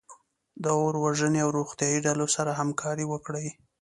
د اور وژنې او روغتیایي ډلو سره همکاري وکړئ.